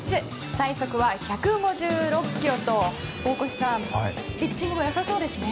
最速は１５６キロと大越さん、ピッチングも良さそうですね。